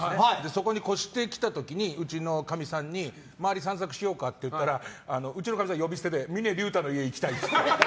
そこに越してきた時にうちのかみさんに周り、散策しようかって言ったらうちのかみさん、呼び捨てで峰竜太の家に行きたいって。